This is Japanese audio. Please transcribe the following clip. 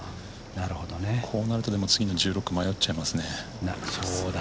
こうなると次の１６迷っちゃいますね。